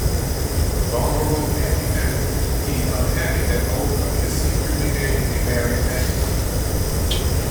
Vulnerable and effeminate, he's unhappy that Olga is secretly dating a married man.